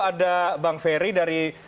ada bang ferry dari